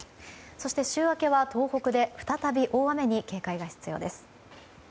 そして週明けは東北で再び大雨に警戒が必要です。